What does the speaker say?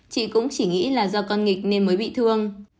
chị cũng chỉ nghĩ là do con nghịch nên mới bị thương